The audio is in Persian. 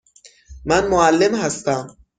من معلم هستم.